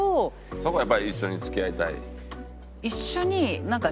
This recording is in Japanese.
そこはやっぱり一緒に付き合いたい？